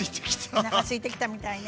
おなかすいてきたみたいね。